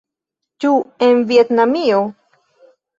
Ĉu en Vjetnamio?